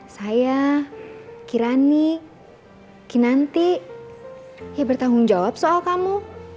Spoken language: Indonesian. saya kirani kinanti ya bertanggung jawab soal kamu